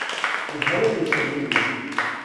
Yelha win yettxemmimen.